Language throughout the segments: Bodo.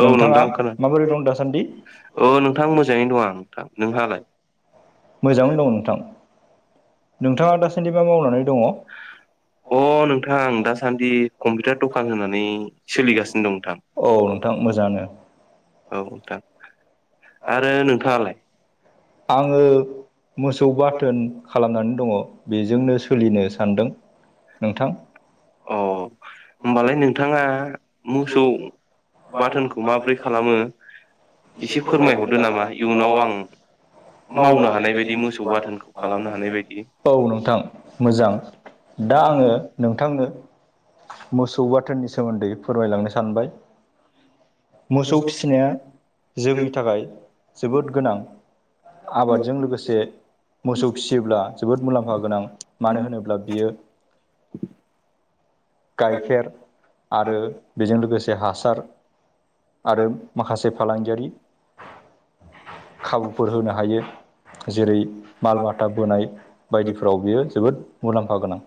औ नोंथाङा नोंथां खोना माबोरै दं दासान्दि अ नोंथां मोजाङैनो दं आ नोंथां नोंहालाय मोजांआवनो दं नोंथां नोंथाङा दासान्दि मा मावनानै दङ अ नोंथां दासान्दि कम्पिउटार दखान होनानै सोलिगासिनो दं नोंथां औ नोंथां मोजाङानो औ थां आरो औ आङो मोसौ बाथोन खालामनानै दंङ' बेजोंनो सोलिनो सानदों नोंथां अ होमबालाय नोंथाङा मोसौ बाथोनखौ माबोरै खालामो एसे फोरमाय हरदो नामा इयुनाव आं मावनो हानाय बायदि मोसौ बाथोनखौ खालामनो हानाय बायदि औ नोंथां मोजां दा आङो नोंथांनो मोसौ बाथोननि सोमोन्दै फोरमायलांनो सानबाय मोसौ फिसिनाया जोंनि थाखाय जोबोद गोनां आबादजों लोगोसे मोसौ फिसियोब्ला जोबोद मुलाम्फा गोनां मानो होनोब्ला बियो गाइखेर आरो बेजों लोगोसे हासार आरो माखासे फालांगियारि खाबुफोर होनो हायो। जेरै माल माथा बोनाय बायदिफोराव बियो जोबोद मुलाम्फा गोनां।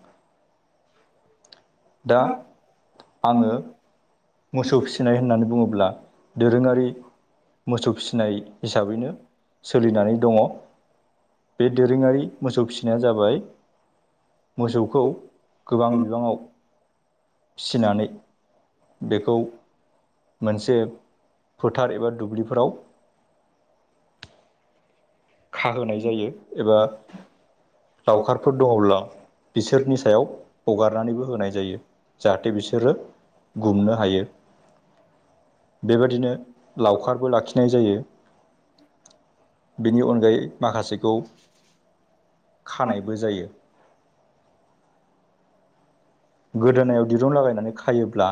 दा आंङो मोसौ फिसिनाय होननानै बुङोब्ला दोरोङारि मोसौ फिनाय हिसाबैनो सोलिनानै दङ। बे दोरोङारि मोसौ फिसिनाया जाबाय मोसौखौ गोबां बिबाङाव फिसिनानै बेखौ मोनसे फोथार एबा दुब्लिफोराव खाहोनाय जायो एबा लावखारफोर दङब्ला बिसोरनि सायाव हगारनानैबो होनाय जायो जाहाथे बिसोरो गुमनो हायो। बेबादिनो लावखारबो लाखिनाय जायो। बिनि अनगायै माखासेखौ खानायबो जायो। गोदोनायाव दिरुं लागायनानै खायोब्ला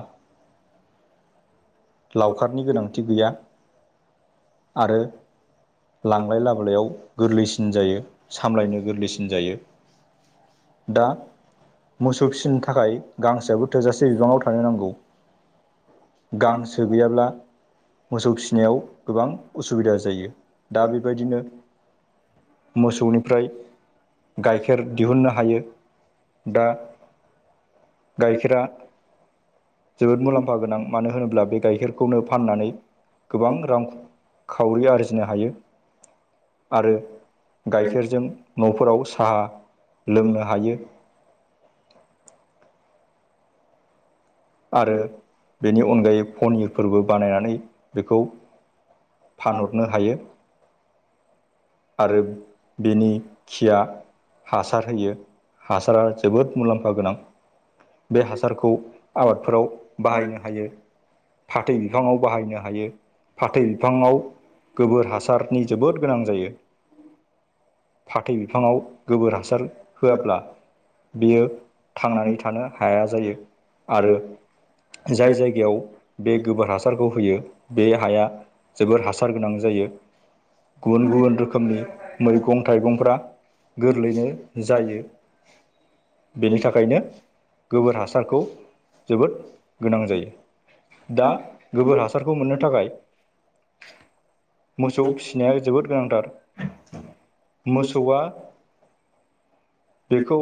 लावखारनि गोनांथि गैया आरो लांलाय लाबोलायाव गोरलैसिन जायो सामलायनो गोरलैसिन जायो। दा मोसौ फिसिनो थाखाय गांसोयाबो थोजासे बिबाङाव थानो नांगौ। गांसो गैयाब्ला मोसौ फिसिनायाव गोबां उसुबिदा जायो। दा बेबायदिनो मोसौनिफ्राय गाइखेर दिहुननो हायो। दा गाइखेरा जोबोद मुलाम्फा गोनां मानो होनोब्ला बे गाइखेरखौनो फाननानै गोबां रां खावरि आरजिनो हायो। आरो गाइखेरजों न'फोराव साहा लोंनो हायो। [inaudible] आरो बेनि अनगायै पनिरफोरबो बानायनानै बेखौ फानहरनो हायो। आरो बेनि खिया हासार होयो हासारा जोबोद मुलाम्फा गोनां बे हासारखौ आबादफोराव बाहायनो हायो। फाथै बिफाङाव बाहायनो हायो। फाथै बिफाङाव गोबोर हासारनि जोबोद गोनां जायो‌। फाथै बिफाङाव गोबोर हासार होयाब्ला बेयो थांनानै थानो हाया जायो आरो जाय जायगायाव बे गोबोर हासारखौ होयो बे हाया जोबोर हासार गोनां जायो। गुबुन गुबुन रोखोमनि मैगं थाइगंफ्रा गोरलैनो जायो। बेनि थाखायनो गोबोर हासारखौ जोबोद गोनां जायो दा गोबोर हासारखौ मोननो थाखाय [unintelligible] मोसौ फिसिनाया जोबोद गोनांथार मोसौआ बेखौ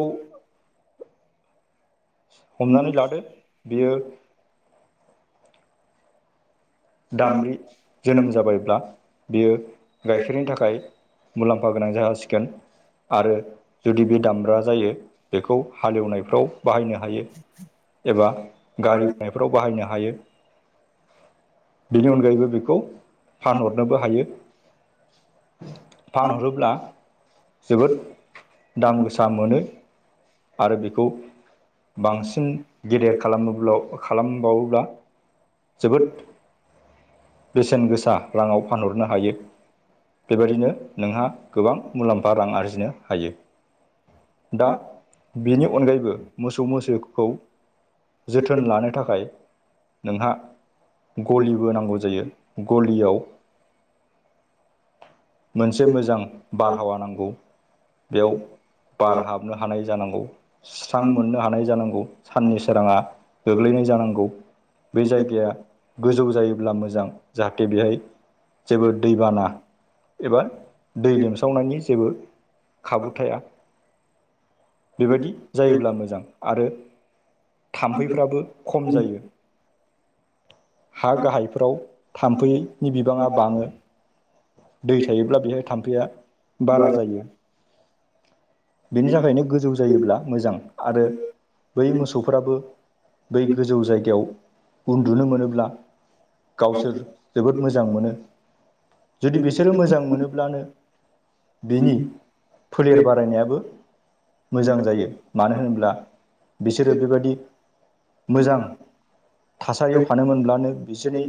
हमनानै लादो बियो दामब्रि जोनोम जाबायब्ला बियो गाइखेरनि थाखाय मुलाम्फा गोनां जासिगोन। आरो जुदि बे दामब्रा जायो बेखौ हालेवनायफ्राव बाहायनो हायो। एबा गारि बोनायफ्राव बाहायनो हायो। बिनि अनगायैबो बेखौ फानहरनोबो हायो। फानहरोब्ला जोबोद दाम गोसा मोनो। आरो बेखौ बांसिन गेदेर खालामोब्ला खालामबावोब्ला जोबोद बेसेन गोसा राङाव फानहरनो हायो। बेबायदिनो नोंहा गोबां मुलाम्फा रां आरजिनो हायो। दा बेनि अनगायैबो मोसौ मैसोखौ जोथोन लानो थाखाय नोंहा गलिबो नांगौ जायो गलियाव मोनसे मोजां बारहावा नांगौ बेयाव बारहाबनो हानाय जानांगौ स्रां मोननो हानाय जानांगौ साननि सोराङा गोग्लैनाय जानांगौ बे जायगाया गोजौ जायोब्ला मोजां जाहाथे बेवहाय जेबो दैबाना एबा दै लोमसावनायनि जेबो खाबु थाया। बेबायदि जायोब्ला मोजां आरो। थाम्फैफ्राबो खम जायो। हा गाहायफोराव थाम्फैनि बिबाङा बाङो। दै थायोब्ला बेहाय थाम्फैया बारा जायो। बेनि थाखायनो गोजौ जायोब्ला मोजां आरो बै मोसौफोराबो बै गोजौ जायगायाव उन्दुनो मोनोब्ला गावसोर जोबोद मोजां मोनो जुदि बिसोरो मोजां मोनोब्लानो बिनि फोलेर बारायनायाबो मोजां जायो मानो होनोब्ला बिसोरो बेबायदि मोजां थासारियाव थानो मोनब्लानो बिसोरनि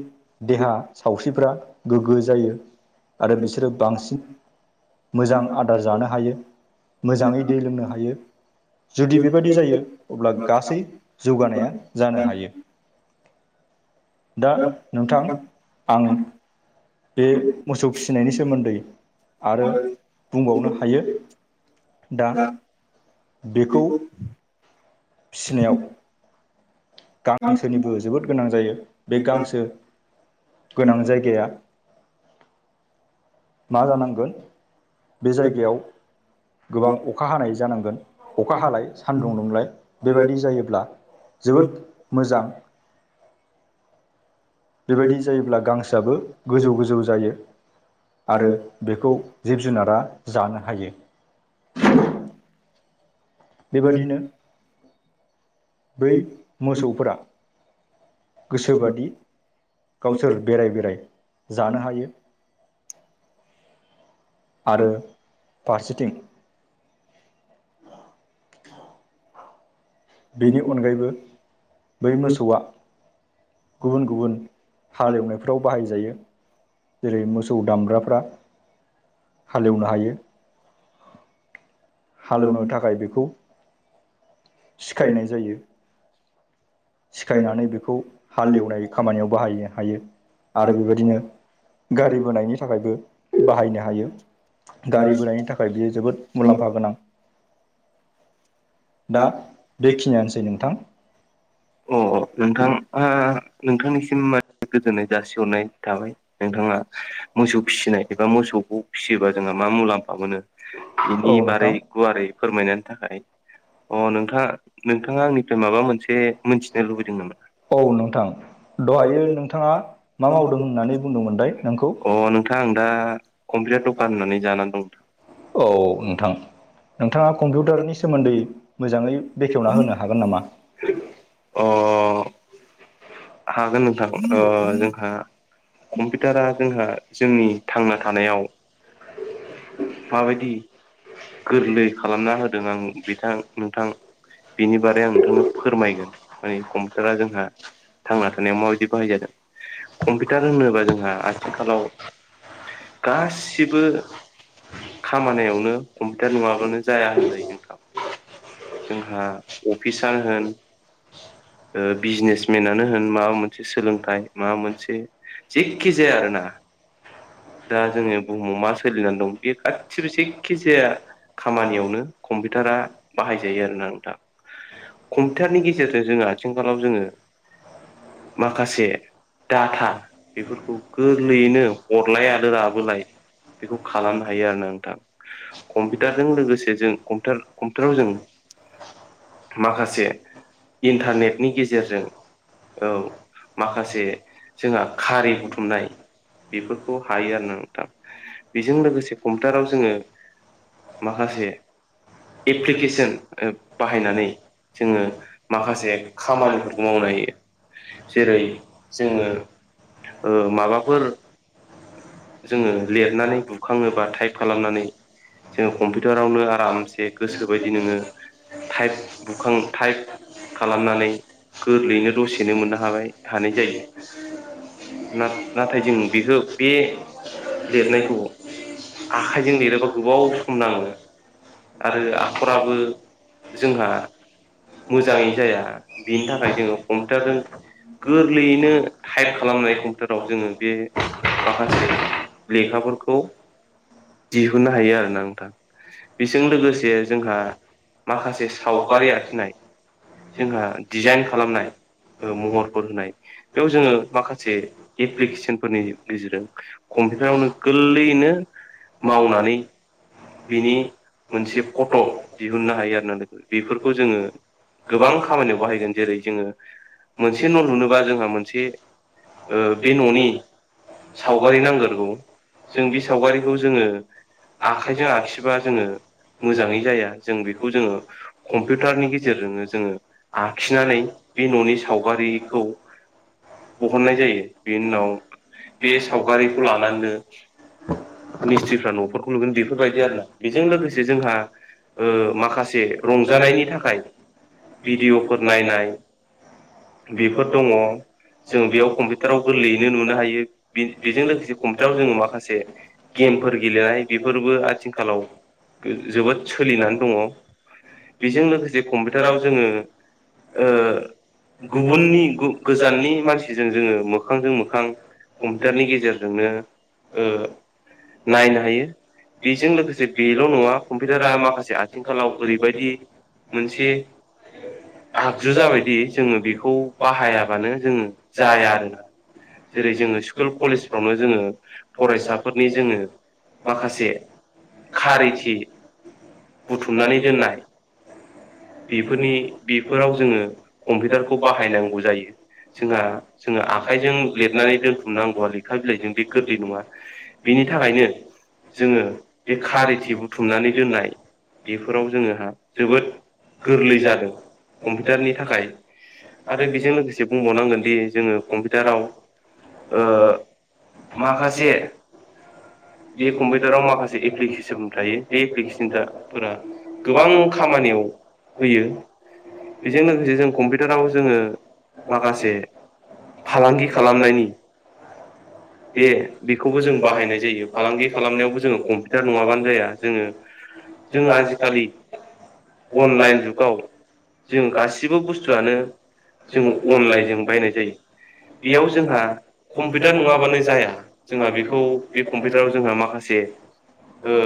देहा सावस्रिफ्रा गोग्गो जायो। आरो बिसोरो बांसिन मोजां आदार जानो हायो मोजाङै दै लोंनो हायो। जुदि बेबायदि जायो अब्ला गासै जौगानाया जानो हायो। दा नोंथां आं बे मोसौ फिसिनायनि सोमोन्दै आरो बुंबावनो हायो। दा बेखौ फिसिनायाव गांसोनिबो जोबोद गोनां जायो। बे गांसो गोनां जायगाया मा जानांगोन बे जायगायाव गोबां अखा हानाय जानांगोन अखा हालाय सानदुं दुंलाय बेबायादि जायोब्ला जोबोद मोजां। बेबायदि जायोब्ला गांसोआबो गोजौ गोजौ जायो। आरो बेखौ जिब जुनारा जानो हायो। बेबादिनो बै मोसौफोरा गोसोबादि गावसोर बेराय बेराय जानो हायो। आरो फारसेथिं बेनि अनगायैबो बै मोसौआ गुबुन गुबुन हालेवनायफोराव बाहायजायो। जेरै मोसौ दामगब्राफ्रा हालेवनो हायो। हालेवनो थाखाय बेखौ सिखायनाय जायो। सिखायनानै बेखौ हालेवनाय खामानियाव बाहायनो हायो आरो बेबायदिनो गारि बोनायनि थाखायबो बाहायनो हायो। गारि बोरायनि थाखाय बियो जोबोद मुलाम्फा गोनां दा बेखिनियानोसै नोंथां। अ नोंथां ओ नोंथांनिसिम, गोजोननाय जासिहरनाय थाबाय नोंथाङा मोसौ फिसिनाय एबा मोसौखौ फिसियोबा जोंहा मा मुलाम्फा मोनो औ बिनि बारै नोंथां गुवारै फोरमायनायनि थाखाय अ नोंथाङा आंनिफ्राय माबा मोनसे मोनथिनो लुबैदों नामा औ नोंथां दहायो नोंथाङा मा मावदों होननानै बुंदोंमोन लाय नोंखौ [unintelligible] जाना दं औ नोंथां, नोंथाङा कम्पिउटारनि सोमोन्दै मोजाङै बेखेवना होनो हागोन नामा? अ हागोन नोंथां, जोंहा कम्पिउटारा जोंहा जोंनि थांना थानायाव माबायदि गोरलै खालामना होदों नोंथां बिनि बारै आं नोंथांनो फोरमायगोन माने कम्पिउटारा जोंहा थांना थानायाव माबायदि बाहाय जादों कम्पिउटार होनोबा जोंहा आथिंखालाव गासिबो खामानियावनो कम्पिउटार नङाबानो जाया होनजायो नोंथां, ! जोंहा अफिसार होन बिजनेसमेनानो होन होन माबा मोनसे सोलोंथाइ, माबा मोनसे जेकिखि जाया आरोना दा जोङो बुहुमाव मा सोलिनानै दं बे गासिबो जेखि जाया खामानियावनो कम्पिउटारा बाहायजायो आरोना नोंथां। कम्पिउटारनि गेजेरजों जोङो आथिंखालाव जोङो माखासे डाटा बेफोरखौ गोरलैयैनो हरलाय आरो लाबोलाय बेखौ खालामनो हायो आरो ना नोंथां। कम्पिउटारजों लोगोसे जों कम्पिउटाराव जों [inaudible] माखासे इन्टारनेटनि गेजेरजों औ माखासे जोंहा खारि बुथुमनाय बेफोरखौ हायो आरो ना नोंथां बेजों लोगोसे कम्पिउटाराव जोङो माखासे एप्लिकेसन बाहायनानै जोङो माखासे खामानि खामानिफोरखौ मावनो हायो। जेरै, जोङो माबाफोर जोङो लिरनानै बुखाङोबा टाइप खालामनानै जोङो कम्पिउटारावनो गोबाव आरामसे गोसो बायदि नोङो टाइप खालामनानै गोरलैनो दसेनो मोननो हानाय जायो। नाथाय जों बे लिरनायखौ आखाइजों लिरोबा गोबाव सम नाङो आरो आखराबो जोंहा मोजाङै जाया बेनि थाखाय जोङो कम्पिउटारजों गोरलैयैनो टाइप टाइम खालामनाय कम्पिउटाराव जोङो बे माखासे लेखाफोरखौ दिहुननो हायो आरोना नोंथां। बेजों लोगोसे जोंहा माखासे साव गारि आखिनाय जोंहा डिजाइन खालामनाय खालामनानै ओ महरफोर होनाय बेयाव जोङो माखासे एप्लिकेसनफोरनि गेजेरजों कम्पिउटाराव नों गोलैयैनो मावनाय [unintelligible] बिनि मोनसे फट' दिहुननो हायो आरो ना लोगो बेफोरखौ जोङो गोबां खामानियाव बाहायगोन जेरै जोङो मोनसे न' लुनोबा खामानियावनोबा जोंहा मोनसे ओ बे न'नि सावगारि नांगोरगौ जों बे सावगारिखौ जोङो आखाइजों आखिबा जोङो मोजाङै जाया जों बेखौ जोङो कम्पिउटारनि गेजेरजोंनो जोङो आखिनानै बे न'नि सावगारिखौ बहननाय जायो बेनि उनाव बे सावगारिखौ लानानैनो जों जिउ मिस्थ्रिफ्रा न'खरखौ लुगोन बेफोरबायदि आरोना बेजों लोगोसे जोंहा ओ माखासे रंजानायनि थाखाय भिडिअ'फोर नायनाय। बेफोर दङ जों जोङो बेयाव कम्पिउटाराव फोथारावबो गोरलैयैनो नुनो हायो बे-बेजों लोगोसे फोथाराव कम्पिउटाराव जों जोङो माखासे गे गेमफोर गेलेनाय बेफोरबो आथिखालाव जोबोद सोलिनानै दङ बे बेजों लोगोसे फोथाराव कम्पिउटाराव जों जोङो ओ गुबुननि गोजाननि ग-गोजाननि मानसि मानसिजों जोङो मोखांजों मोखां। कम्पिउटारनि गेजेरजोंनो गेजेरजों ओ नायनाय नायनो बे हायो। बेजों लोगोसे बेल' नङा कम्पिउटारा जोंहा माखासे आथिंखालाव ओरैबायदि मोनसे। आगजु जाबायदि जोङो बेखौ बाहायाबो बाहायाबानो जोङो जाया जायाबो आरोना। जेरै जोङो स्कुल कलेजफ्रावनो जोङो फरायसा फरायसाफोरनि जोङो माखासे। खारैथि खारिथि बुनानै बुथुमनानै दोनना दोननाय बेफोरनि बेफोराव जोङो कम्पिउटारखौ बाहायनांगौ जायो। जोंहा जोङो आखाइजों लिरनानै दोनथुमनांगौआ लेखा बिलाइजों बे गोरलै नङा! बेनि थाखायनो जोङो बे खारिथि बुथुमनानै दोननाय बेफोराव जोङोहा जोबोद गोरलै जादों कम्पिउटारनि थाखाय आरो बेजों लोगोसे बुंबावनांगोन दि जोङो कम्पिउटाराव ओ माखासे बे बि फंबाय कम्पिउटाराव जाव माखासे एपेसन एप्लिकेसन थायो बे एप्लिकेसनफोरा एपेसन [unintelligible] गोबां खामानियाव फैयो होयो बिदिनो जों [unintelligible] बेफोराव जोङो माखासे फालांगि खालामनायनि बे बेखौबो जों बाहायनाय जायो फालांगि खालामनायावबो जोङो कम्पिउटार नङाबानो जाया जोङो जोङो आजिखालि अनलाइन जुगाव जों गासिबो बुस्थु आनो जोङो अनलाइनजों बायनाय जायो। बियाव जोंहा कम्पिलिउटार नङाबानो जाया जोंङा बेखौ बे कमपिटाराव जोंना माखासे ओ